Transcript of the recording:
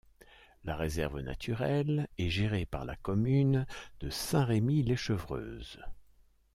La réserve naturelle est gérée par la commune de Saint-Rémy-lès-Chevreuse.